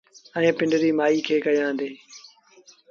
ائيٚݩ پنڊريٚ مآئيٚ کي ڪهيآندي۔